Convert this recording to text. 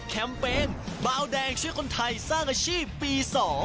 ของคนไทยสร้างอาชีพปี๒